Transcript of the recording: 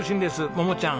桃ちゃん